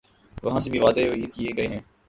وہاں سے بھی وعدے وعید کیے گئے ہیں۔